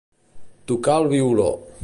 Tocar el violó.